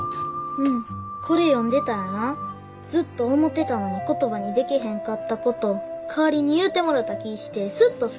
これ読んでたらなずっと思てたのに言葉にでけへんかったこと代わりに言うてもろた気ぃしてスッとすんねん。